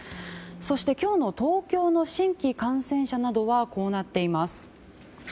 今日の東京の新規感染者などはこうなっています。